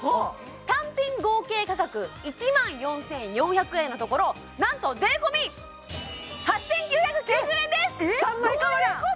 単品合計価格１万４４００円のところなんと税込８９９０円です！えっ？